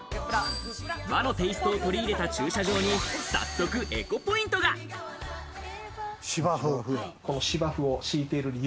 和のテイストを取り入れた駐車場に、早速エコポイントが芝生。